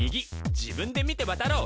自分で見て渡ろう！